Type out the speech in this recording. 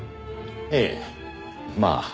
ええまあ。